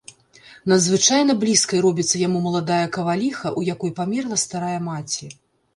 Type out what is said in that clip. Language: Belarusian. Надзвычайна блізкай робіцца яму маладая каваліха, у якой памерла старая маці.